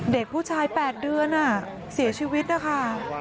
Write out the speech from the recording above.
เด็กผู้ชาย๘เดือนเสียชีวิตนะคะ